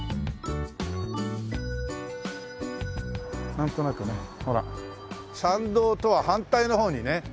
なんとなくねほら参道とは反対の方にね。